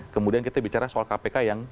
kemudian kita bicara soal kpk yang